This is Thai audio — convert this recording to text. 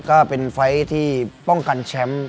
ก็เป็นไฟล์ที่ป้องกันแชมป์